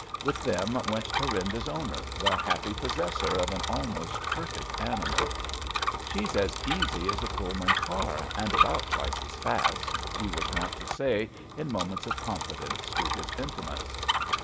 With them went Thurinda^s owner, the happy possessor of an al most perfect animal. She's as easy as a Pull man car and about twice as fast,'' he was wont to say in moments of confidence to his intimates.